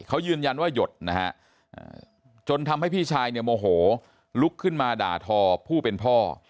เขายืนยันว่าหยดนะฮะจนทำให้พี่ชายเนี่ยโมโหลุกขึ้นมาด่าทอผู้เป็นพ่อ